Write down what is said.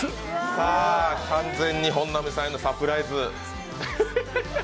完全に本並さんへのサプライズ。